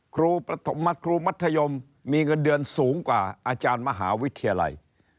ครูมัธยมมีเงินเดือนสูงกว่าอาจารย์มหาวิทยาลัย